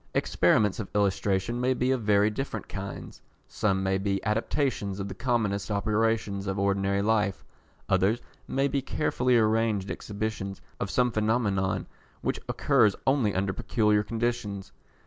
Experiments of illustration may be of very different kinds. Some may be adaptations of the commonest operations of ordinary life, others may be carefully arranged exhibitions of some phenomenon which occurs only under peculiar conditions.